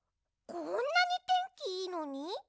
こんなにてんきいいのに？